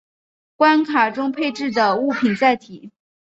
关卡中配置的物品载体。